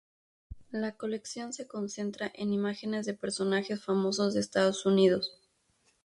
La colección se concentra en imágenes de personajes famosos de Estados Unidos.